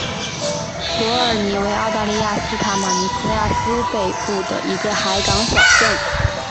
伯尔尼为澳大利亚塔斯马尼亚州西北部的一个海港小镇。